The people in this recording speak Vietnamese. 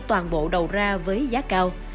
toàn bộ đầu ra với giá cao